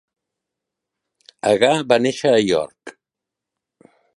Agar va néixer a York.